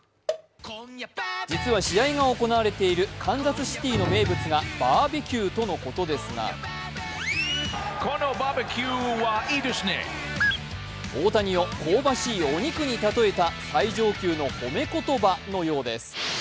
実は試合が行われているカンザスシティの名物がバーベキューとのことですが大谷を香ばしいお肉に例えた最上級の褒め言葉のようです。